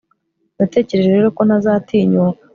natekereje rero ko ntazatinyuka